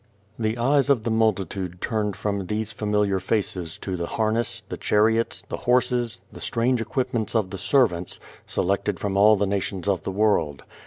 The eyes of the multitude turned from these familiar faces to tlie harness, the chariots, the horses, the strange equip ments of the servants, selected froinallthenations of theworld.